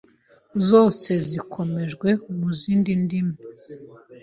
zose zikozwe mu zindi ndimi